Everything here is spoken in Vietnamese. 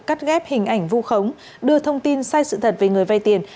cắt ghép hình ảnh vu khống đưa thông tin sai sự thật về người vay tiền